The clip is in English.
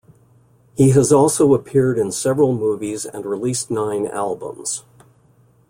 He has also appeared in several movies and released nine albums.